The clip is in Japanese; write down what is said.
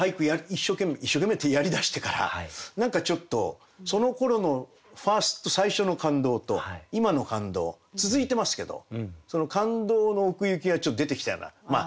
一生懸命一生懸命ってやりだしてから何かちょっとそのころの最初の感動と今の感動続いてますけどその感動の奥行きがちょっと出てきたようなまあ